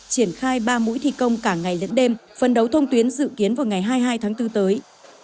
triển khai ba mũi thi công cả ngày lẫn đêm phân đấu thông tuyến dự kiến vào ngày hai mươi hai tháng bốn tới